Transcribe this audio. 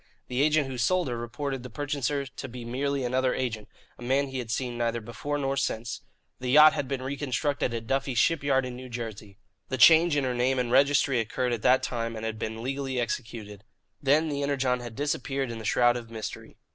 The agent who sold her reported the purchaser to be merely another agent, a man he had seen neither before nor since. The yacht had been reconstructed at Duffey's Shipyard in New Jersey. The change in her name and registry occurred at that time and had been legally executed. Then the Energon had disappeared in the shroud of mystery.